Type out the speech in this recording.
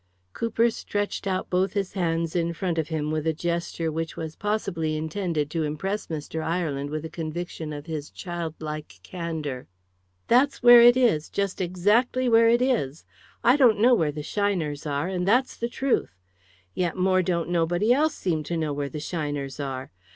Cooper stretched out both his hands in front of him with a gesture which was possibly intended to impress Mr. Ireland with a conviction of his childlike candour. "That's where it is just exactly where it is! I don't know where the shiners are and that's the trewth! Yet more don't nobody else seem to know where the shiners are!